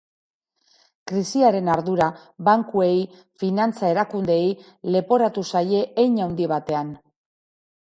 Krisiaren ardura, bankuei, finantza erakundeei leporatu zaie hein haundi batean.